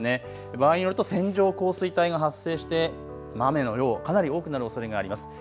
場合によると線状降水帯が発生して雨の量かなり多くなるおそれがあります。